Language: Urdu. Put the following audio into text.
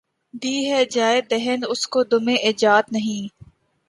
دی ہے جایے دہن اس کو دمِ ایجاد ’’ نہیں ‘‘